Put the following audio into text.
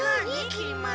きり丸。